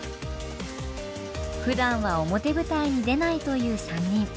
ふだんは表舞台に出ないという３人。